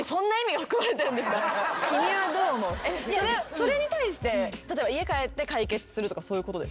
それに対して例えば家帰って解決するとかそういうことですか？